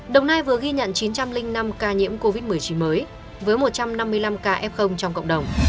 đồng nai vừa ghi nhận chín trăm linh năm ca nhiễm covid một mươi chín mới với một trăm năm mươi năm ca f trong cộng đồng